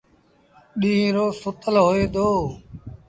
ڏيٚݩهݩ رو سُتل هوئي دو۔